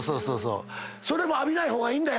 それも浴びない方がいいんだ？